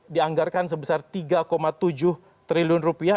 dianggarkan sebesar tiga tujuh triliun rupiah